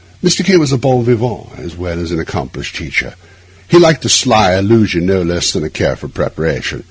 Mr. K— was a bon vivant as well as an accomplished teacher; he liked a sly illusion no less than a careful preparation.